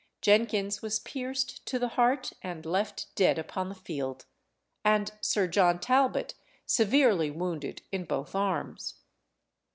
Jenkins was pierced to the heart, and left dead upon the field, and Sir John Talbot severely wounded in both arms.